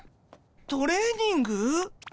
トレーニング？